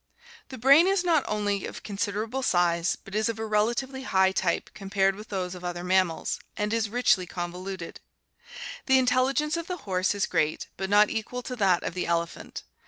— The brain is not only of considerable size but is of a relatively high type compared with those of other mammals, and is richly convoluted. The intelligence of the horse is great but not equal to that of the elephant.